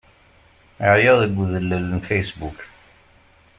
Ɛyiɣ deg udellel n Facebook.